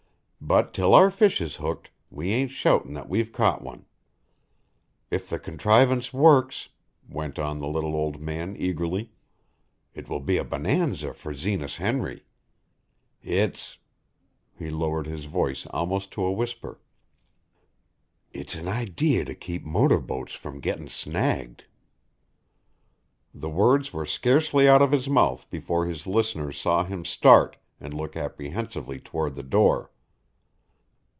But 'til our fish is hooked we ain't shoutin' that we've caught one. If the contrivance works," went on the little old man eagerly, "it will be a bonanza for Zenas Henry. It's " he lowered his voice almost to a whisper, "it's an idee to keep motor boats from gettin' snagged." The words were scarcely out of his mouth before his listeners saw him start and look apprehensively toward the door.